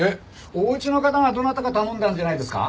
おうちの方がどなたか頼んだんじゃないですか？